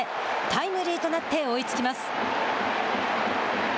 タイムリーとなって追いつきます。